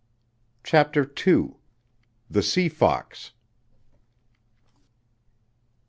CHAPTER II. THE SEA FOX.